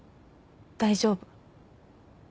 大丈夫。